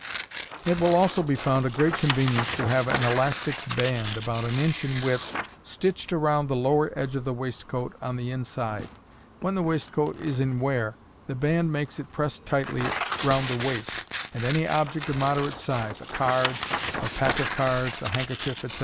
It will also be found a great convenience to have an elastic band, about an inch in width, stitched around the lower edge of the waistcoat on the inside. When the waistcoat is in wear, the band makes it press tightly round the waist, and any object of moderate size — a card, or pack of cards, a handkerchief, etc.